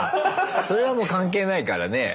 それはもう関係ないからね